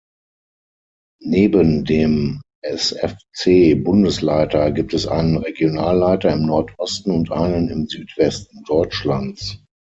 Neben dem SfC-Bundesleiter gibt es einen Regionalleiter im Nordosten und einen im Südwesten Deutschlands.